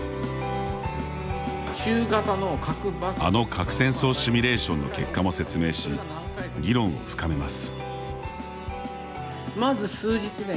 あの核戦争シミュレーションの結果も説明し、議論を深めます。